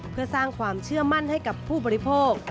เพื่อสร้างความเชื่อมั่นให้กับผู้บริโภค